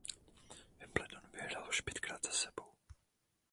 Wimbledon vyhrál už pětkrát za sebou.